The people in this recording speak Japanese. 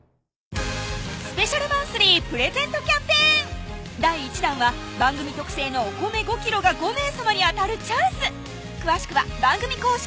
スペシャルマンスリープレゼントキャンペーン第一弾は番組特製のお米５ｋｇが５名様に当たるチャンス詳しくは番組公式